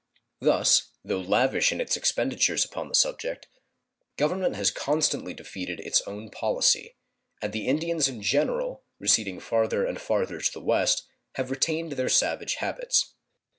Thus, though lavish in its expenditures upon the subject, Government has constantly defeated its own policy, and the Indians in general, receding farther and farther to the west, have retained their savage habits.